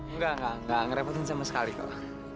enggak enggak nggak ngerepotin sama sekali kak